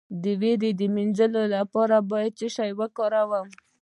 د ویرې د مینځلو لپاره باید څه شی وکاروم؟